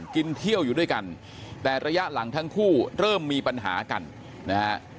กินเที่ยวอยู่ด้วยกันแต่ระยะหลังทั้งคู่เริ่มมีปัญหากันนะฮะ